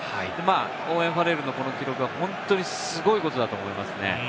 オーウェン・ファレルのこの記録は本当にすごいことだと思いますね。